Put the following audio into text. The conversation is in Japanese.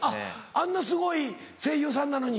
あんなすごい声優さんなのに？